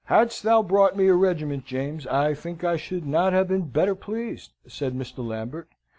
"Hadst thou brought me a regiment, James, I think I should not have been better pleased," said Mr. Lambert.